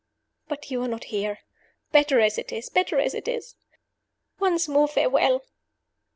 "But you are not here. Better as it is! better as it is! "Once more, farewell!